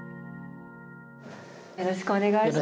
よろしくお願いします。